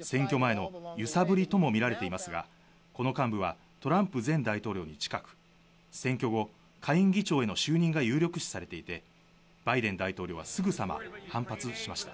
選挙前の揺さぶりともみられていますが、この幹部はトランプ前大統領に近く選挙後、下院議長への就任が有力視されていて、バイデン大統領はすぐさま反発しました。